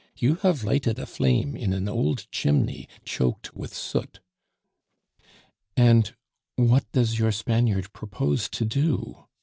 You have lighted a flame in an old chimney choked with soot." "And what does your Spaniard propose to do?"